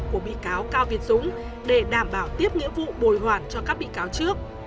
của bị cáo cao việt dũng để đảm bảo tiếp nghĩa vụ bồi hoàn cho các bị cáo trước